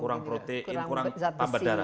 kurang protein kurang tambah darah